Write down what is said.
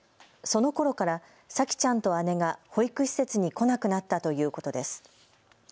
そのころから沙季ちゃんと姉が保育施設に来なくなったということです。